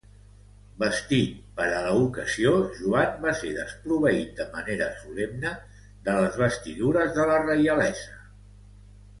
Vestit per a l'ocasió, Joan va ser desproveït de manera solemne de les vestidures de la reialesa.